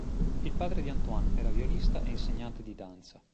Il padre di Antoine era violista e insegnante di danza.